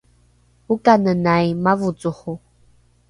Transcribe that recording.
okanenai mavocoro